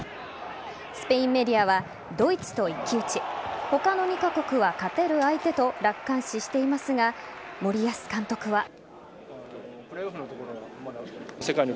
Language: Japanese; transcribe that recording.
スペインメディアはドイツと一騎打ち他の２カ国は勝てる相手と楽観視していますが森保監督は。